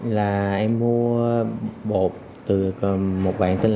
là em mua bột từ một bảng tên là